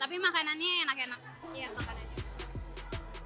tapi makanannya enak enak